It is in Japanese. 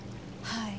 はい。